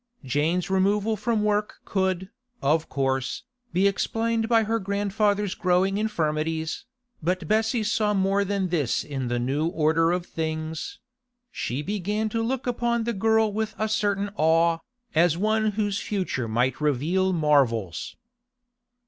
Jane's removal from work could, of course, be explained by her grandfather's growing infirmities, but Bessie saw more than this in the new order of things; she began to look upon the girl with a certain awe, as one whose future might reveal marvels.